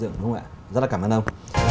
đúng không ạ rất là cảm ơn ông